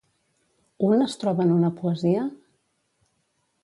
Un es troba en una poesia?